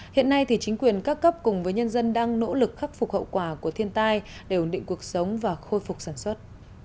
hiện nay thì chính quyền các cấp cùng với nhân dân đang nỗ lực khắc phục hậu quả của thiên tai để ổn định cuộc sống và khôi phục sản xuất